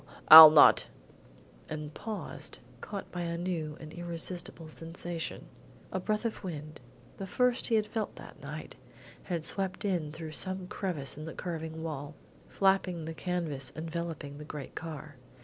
I'll not " and paused, caught by a new and irresistible sensation. A breath of wind the first he had felt that night had swept in through some crevice in the curving wall, flapping the canvas enveloping the great car.